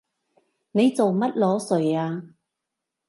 你做乜裸睡啊？